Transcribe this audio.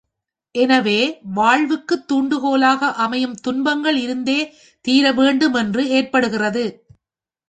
எனவே, வாழ்வுக்குத் தூண்டுகோலாக அமையும் துன்பங்கள் இருந்தே தீரவேண்டும் என்று ஏற்படுகிறது.